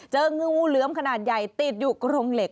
เจองูเหลือมขนาดใหญ่ติดอยู่กรงเหล็ก